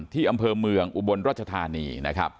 ที่อำเภอเมืองอุบรณราชธานี